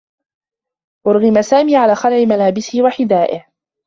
أُرغِم سامي على خلع ملابسه و حذائه.